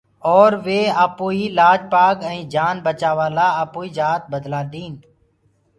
اورَ وي آپوڪيٚ لآج پآگ ائينٚ جآن بچآوآ لآ آپوئيٚ جآت بدلآ ديٚن۔